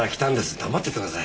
黙っててください。